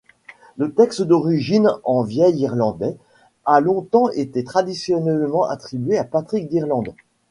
Le texte d'origine, en vieil irlandais, a longtemps été traditionnellement attribué à Patrick d'Irlande.